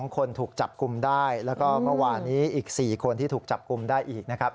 ๒คนถูกจับกลุ่มได้แล้วก็เมื่อวานนี้อีก๔คนที่ถูกจับกลุ่มได้อีกนะครับ